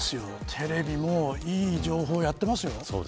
テレビもいい情報をやってますよ。